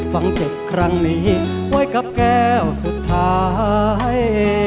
ฟังเจ็บครั้งนี้ไว้กับแก้วสุดท้าย